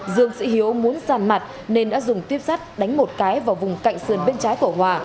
dương sĩ hiếu muốn giàn mặt nên đã dùng tuyếp sắt đánh một cái vào vùng cạnh sườn bên trái của hòa